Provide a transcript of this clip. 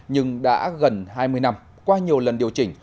nhưng đã gần hai mươi năm qua nhiều lần điều chỉnh